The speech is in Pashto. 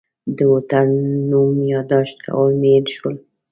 د هوټل نوم یاداښت کول مې هېر شول.